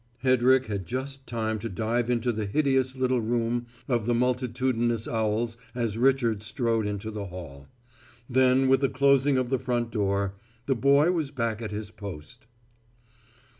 Hedrick had just time to dive into the hideous little room of the multitudinous owls as Richard strode into the hall. Then, with the closing of the front door, the boy was back at his post.